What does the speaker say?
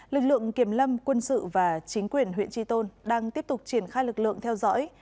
lực lượng kiềm lâm quân sự và chính quyền huyện tri tôn đang tiếp tục triển khai lực lượng theo dõi